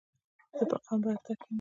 زه په قوم وردګ یم.